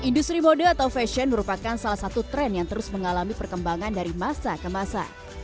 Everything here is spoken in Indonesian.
industri mode atau fashion merupakan salah satu tren yang terus mengalami perkembangan dari masa ke masa